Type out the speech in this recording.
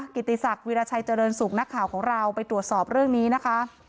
กิติศักดิราชัยเจริญสุขนักข่าวของเราไปตรวจสอบเรื่องนี้นะคะ